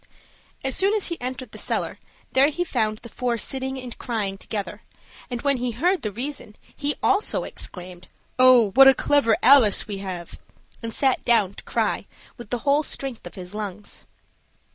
As soon as he entered the cellar, there he found the four sitting and crying together, and when he heard the reason, he also exclaimed, "Oh, what a clever Alice we have!" and sat down to cry with the whole strength of his lungs.